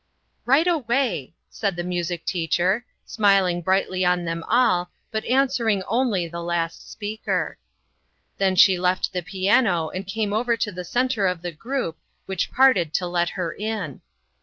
"OUR CHURCH." 97 "Right away," said the music teacher, smiling brightly on them all, but answering only the last speaker. Then she left the piano, and came over to the centre of the cfroup, which parted to let her in.